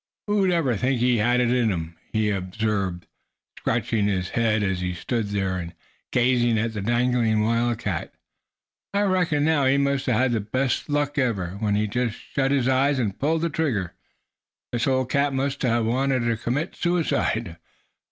"Who'd ever think he had it in him?" he observed, scratching his head as he stood there, and gazed at the dangling wildcat. "I reckon, now, he must a had the best luck ever, when he just shut his eyes and pulled trigger. This old cat must a wanted to commit suicide.